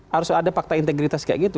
harus ada fakta integritas kayak gitu